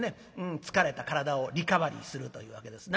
疲れた体をリカバリーするというわけですな。